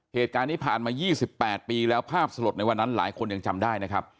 เหตุการณ์นี้ผ่านมา๒๘ปีแล้วภาพสลดในวันนั้นหลายคนยังจำได้นะครับ